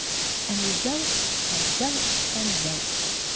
And we wrote and wrote and wrote.